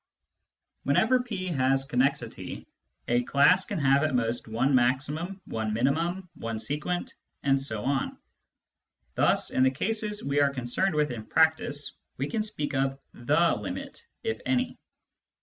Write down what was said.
Whenever P has connexity, a class can have at most one maximum, one minimum, one sequent, etc. Thus, in the cases we are concerned with in practice, we can speak of " the limit " (if any).